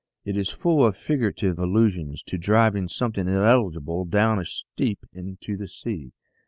It is full of figurative allusions to driving something illegible down a steep into the sea.